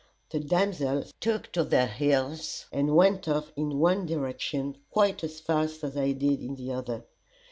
The damsels took to their heels, and went off in one direction quite as fast as I did in the other.